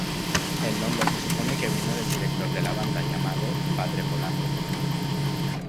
El nombre se supone que viene del director de la banda, llamado Padre Polaco.